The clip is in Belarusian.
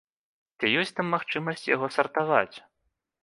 Ці ёсць там магчымасць яго сартаваць?